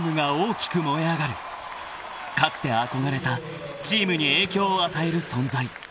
［かつて憧れたチームに影響を与える存在］